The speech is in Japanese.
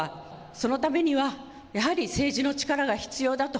そのためにはやはり政治の力が必要だと。